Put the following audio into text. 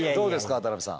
渡辺さん。